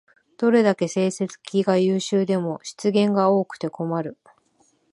どれだけ成績が優秀でも失言が多くて困る